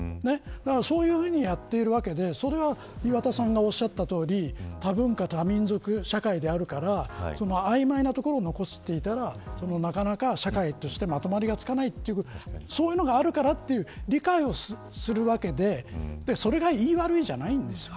そういうふうにやっているわけでそれは、岩田さんがおっしゃったとおり多文化多民族社会であるから曖昧なところを残すというのはなかなか社会としてまとまりがつかないというのがあるからという理解をするわけでそれがいい悪いじゃないんです。